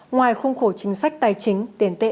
ngoài khung khổ chính sách tài chính tiền tệ